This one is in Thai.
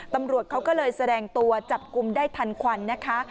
ตำรวจเขาก็เลยแสดงตัวจับกลุ่มได้ทันควันนะคะ